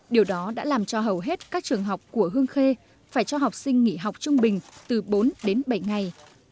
điều đó đã làm cho hầu hết các trường học của hương khê phải cho học sinh nghỉ học trung bình từ bốn đến bảy ngày